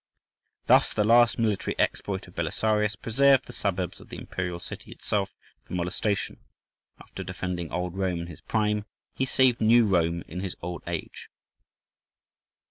Thus the last military exploit of Belisarius preserved the suburbs of the imperial city itself from molestation; after defending Old Rome in his prime, he saved New Rome in his old age.